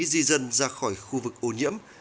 di dân ra khỏi khu vực ô nhiễm